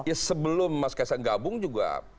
ya sebelum mas kaisang gabung juga